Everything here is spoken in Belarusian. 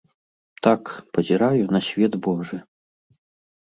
Так, пазіраю на свет божы.